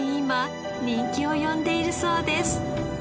今人気を呼んでいるそうです。